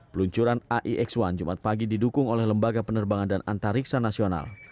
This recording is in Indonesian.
peluncuran aix satu jumat pagi didukung oleh lembaga penerbangan dan antariksa nasional